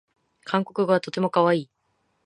韓国語はとてもかわいい